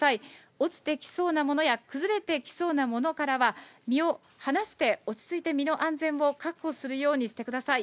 落ちてきそうなものや崩れてきそうなものからは、身を離して落ち着いて身の安全を確保するようにしてください。